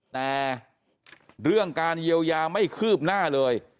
แต่เรื่องการเยียวยาไม่คืบหน้าเลย